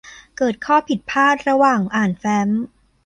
เกิดข้อผิดพลาดระหว่างอ่านแฟ้ม